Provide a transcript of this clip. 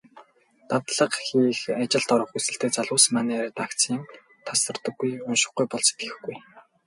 Дадлага хийх, ажилд орох хүсэлтэй залуус манай редакцаас тасардаггүй. УНШИХГҮЙ БОЛ СЭТГЭХГҮЙ.